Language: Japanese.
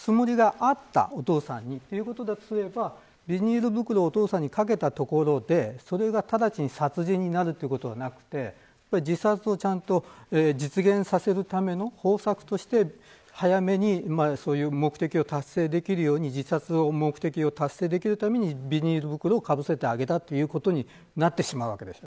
お父さんに自殺するつもりがあったなどすればビニール袋をお父さんにかけたところでそれが直ちに殺人になるということはなくて自殺をちゃんと実現させるための方策として早めに目的を達成できるようにビニール袋をかぶせてあげたということになってしまうわけです。